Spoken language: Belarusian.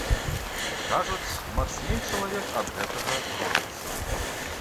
Кажуць, мацней чалавек ад гэтага робіцца.